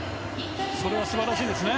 それは素晴らしいですね。